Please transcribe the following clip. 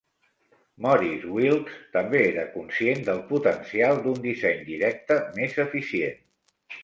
Maurice Wilks també era conscient del potencial d'un disseny directe més eficient.